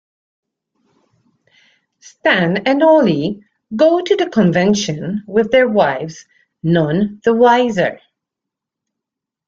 Stan and Ollie go to the convention, with their wives none the wiser.